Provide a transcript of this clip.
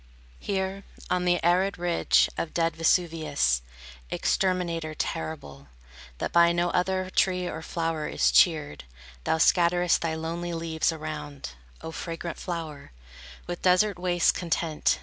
Here, on the arid ridge Of dead Vesuvius, Exterminator terrible, That by no other tree or flower is cheered, Thou scatterest thy lonely leaves around, O fragrant flower, With desert wastes content.